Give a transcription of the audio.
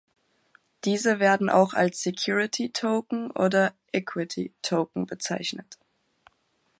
Diese werden auch als "Security Token" oder "Equity Token" bezeichnet.